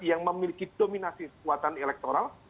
yang memiliki dominasi kekuatan elektoral